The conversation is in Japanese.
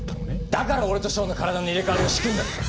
だから俺と翔の体の入れ替わりを仕組んだんだ。